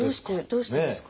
どうしてですか？